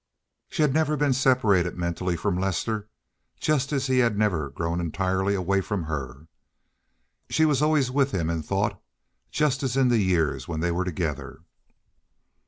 She had never been separated mentally from Lester, just as he had never grown entirely away from her. She was always with him in thought, just as in the years when they were together.